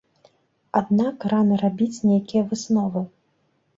Аднак рана рабіць нейкія высновы.